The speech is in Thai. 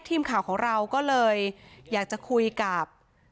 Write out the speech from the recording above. ทีมข่าวของเราก็เลยอยากจะคุยกับ